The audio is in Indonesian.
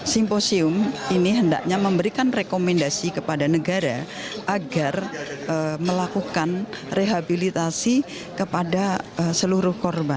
simposium ini hendaknya memberikan rekomendasi kepada negara agar melakukan rehabilitasi kepada seluruh korban